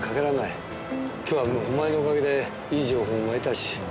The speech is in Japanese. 今日はもうお前のおかげでいい情報も得たし。